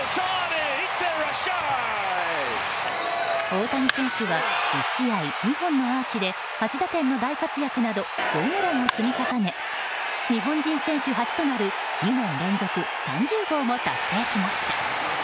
大谷選手は１試合２本のアーチで８打点の大活躍などホームランを積み重ね日本人選手初となる２年連続３０号も達成しました。